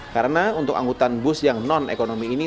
karena untuk angkutan bus yang non ekonomi ini